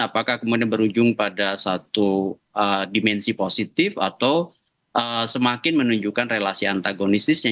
apakah kemudian berujung pada satu dimensi positif atau semakin menunjukkan relasi antagonistisnya